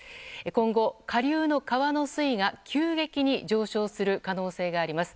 今後下流の川の水位が急激に上昇する可能性があります。